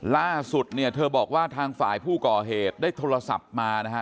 ล่าสุดเนี่ยเธอบอกว่าทางฝ่ายผู้ก่อเหตุได้โทรศัพท์มานะฮะ